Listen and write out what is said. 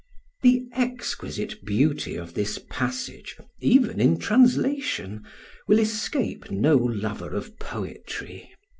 ] The exquisite beauty of this passage, even in translation, will escape no lover of poetry.